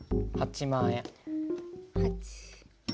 ８万円。